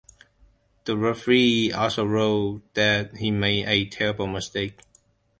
The referee also wrote that "he made a terrible mistake".